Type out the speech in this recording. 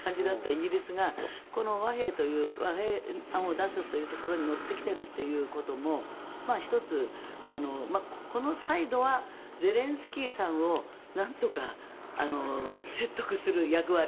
イギリスがこの和平案を出すというところに乗ってきているということも１つ、このサイドはゼレンスキーさんをなんとか説得する役割。